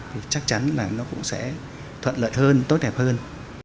thì chắc chắn là nó cũng sẽ thuận lợi hơn tốt đẹp hơn